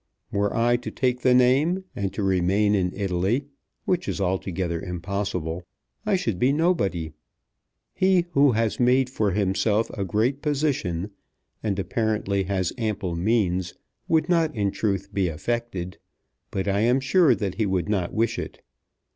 Were I to take the name, and to remain in Italy, which is altogether impossible, I should be nobody. He who has made for himself a great position, and apparently has ample means, would not in truth be affected. But I am sure that he would not wish it.